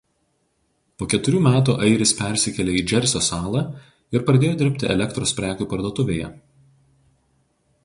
Po keturių metų airis persikėlė į Džersio salą ir pradėjo dirbti elektros prekių parduotuvėje.